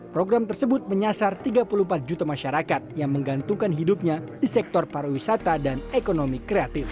program tersebut menyasar tiga puluh empat juta masyarakat yang menggantungkan hidupnya di sektor pariwisata dan ekonomi kreatif